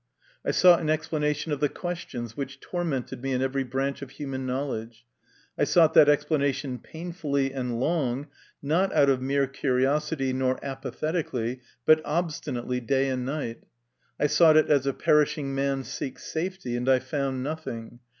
I sought an explanation of the questions which tormented me in every branch of human knowledge ; I sought that explanation painfully and long, not out of mere curiosity nor apathetically, but obstinately day and night ; I sought it as a perishing man seeks safety, and I found nothing.